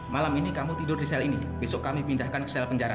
malam ini kamu tidur di sel ini besok kami pindahkan ke sel penjara